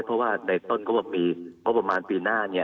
เพราะว่าในต้นเขาจะมีเพราะประมาณปีหน้า